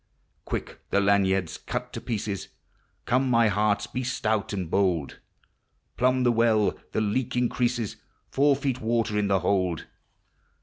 Quick the lanyards cut to pieces; Come, my hearts, be stout ami bold; riumb the well,— the leak increases, Four feet water iu the hold!